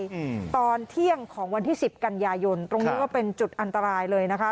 อืมตอนเที่ยงของวันที่สิบกันยายนตรงนี้ก็เป็นจุดอันตรายเลยนะคะ